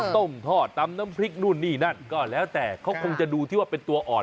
ต้มทอดตำน้ำพริกนู่นนี่นั่นก็แล้วแต่เขาคงจะดูที่ว่าเป็นตัวอ่อน